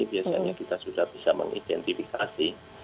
biasanya kita sudah bisa mengidentifikasi